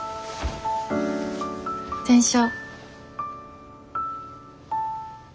電車。